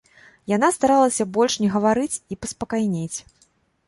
Яна старалася больш не гаварыць і паспакайнець.